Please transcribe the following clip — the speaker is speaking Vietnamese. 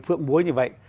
phượng búa như vậy